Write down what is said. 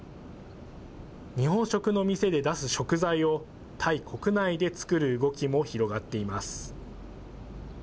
日本食の店で出す食材を、タイ国内で作る動きも広がっています。